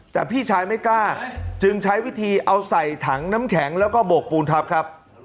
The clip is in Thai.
แต่พี่ชายไม่กล้าจึงใช้วิธีเอาใส่ถังน้ำแข็งแล้วก็โบกปูนทับครับ